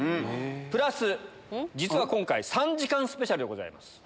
プラス実は今回３時間スペシャルでございます。